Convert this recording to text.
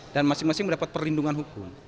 dan masing masing mendapat perlindungan hukum